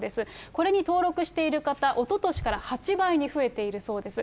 これに登録している方、おととしから８倍に増えているそうです。